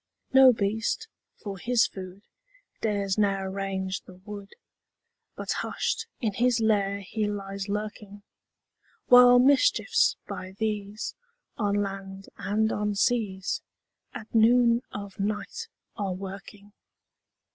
No beast, for his food, Dares now range the wood, But hush'd in his lair he lies lurking; While mischiefs, by these, On land and on seas, At noon of night are a working.